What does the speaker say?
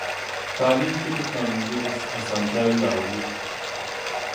تعلیم کې ټکنالوژي اسانتیاوې راولي.